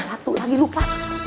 satu lagi lupa